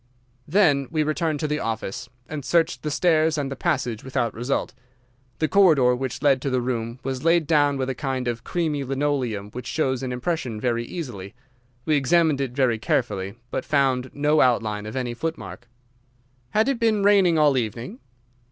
"Then we returned to the office, and searched the stairs and the passage without result. The corridor which led to the room was laid down with a kind of creamy linoleum which shows an impression very easily. We examined it very carefully, but found no outline of any footmark." "Had it been raining all evening?"